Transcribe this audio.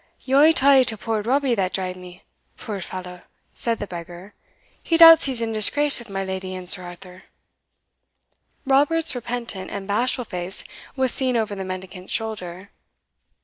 "Ye owe it o' to puir Robie that drave me; puir fallow," said the beggar, "he doubts he's in disgrace wi' my leddy and Sir Arthur." Robert's repentant and bashful face was seen over the mendicant's shoulder.